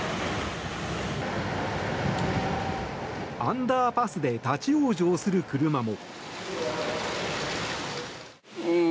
アンダーパスで立ち往生する車も。